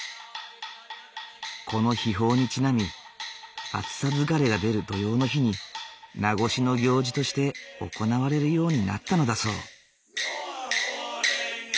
この秘法にちなみ暑さ疲れが出る土用の日に夏越しの行事として行われるようになったのだそう。